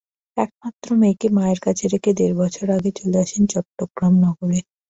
একমাত্র মেয়েকে মায়ের কাছে রেখে দেড় বছর আগে চলে আসেন চট্টগ্রাম নগরে।